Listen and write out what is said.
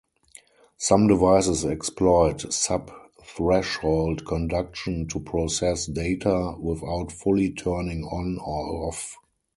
Some devices exploit sub-threshold conduction to process data without fully turning on or off.